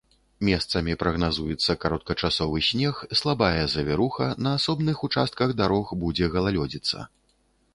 Месцамі прагназуецца кароткачасовы снег, слабая завіруха, на асобных участках дарог будзе галалёдзіца.